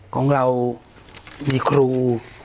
ของเรามีครู